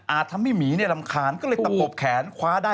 อาจทำให้หมีรำคาญก็เลยตับปบแขนคว้าดาย